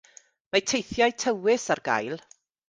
Mae teithiau tywys ar gael.